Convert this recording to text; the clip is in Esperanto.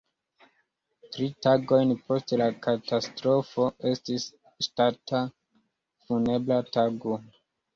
Tri tagojn post la katastrofo estis ŝtata funebra tago.